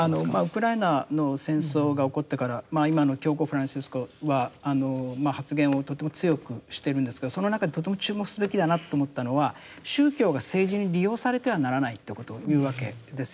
ウクライナの戦争が起こってから今の教皇フランシスコは発言をとても強くしてるんですけどその中でとても注目すべきだなと思ったのは宗教が政治に利用されてはならないってことを言うわけですよね。